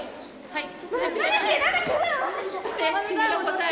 はい！